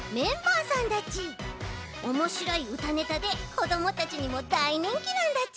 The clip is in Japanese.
おもしろいうたネタでこどもたちにもだいにんきなんだち。